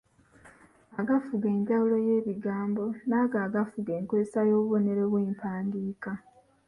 Agafuga enjawula y’ebigambo n’ago agafuga enkozesa y’obubonero bw’empandiika.